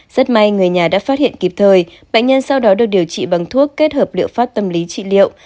rất may người nhà đã phát hiện kịp thời bệnh nhân sau đó được điều trị bằng thuốc kết hợp liệu pháp tâm lý trị liệu